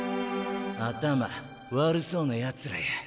頭悪そうなやつらや。